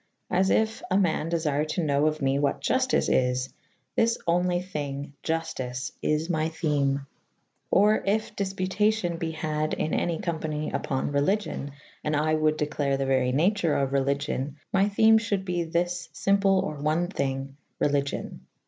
As yf aman defyre to knowe of me what Juftice is / this onlv thvnge Juftice is my theme / Or yf difputacyon be had in' any' conipany ypon Relvgion /and I wold declare the very nature of Religion my theme fhulde be thys iVmple or one thynge Relyg yon.